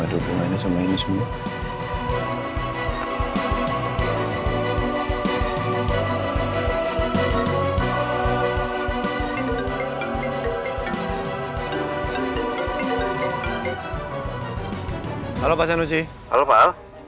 terima kasih informasinya ya pak